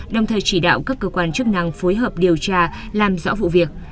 đồng thời chỉ đạo các cơ quan chức năng phối hợp điều tra làm rõ vụ việc